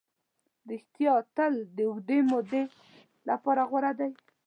ریښتیا تل د اوږدې مودې لپاره غوره ده.